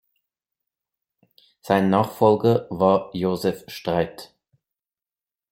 Sein Nachfolger war Josef Streit.